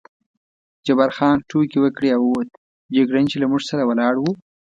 جبار خان ټوکې وکړې او ووت، جګړن چې له موږ سره ولاړ و.